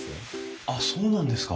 あっそうなんですか。